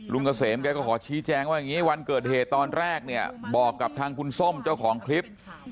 เกษมแกก็ขอชี้แจงว่าอย่างนี้วันเกิดเหตุตอนแรกเนี่ยบอกกับทางคุณส้มเจ้าของคลิป